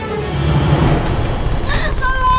duwa perintah pak